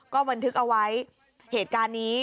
ก็บันทึกเอาไว้เหตุการณ์นี้